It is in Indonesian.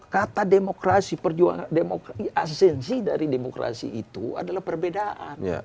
kata demokrasi perjuangan demokrasi asensi dari demokrasi itu adalah perbedaan